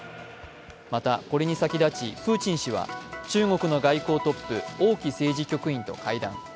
またこれに先立ち、プーチン氏は中国の外交トップ王毅政治局員と会談。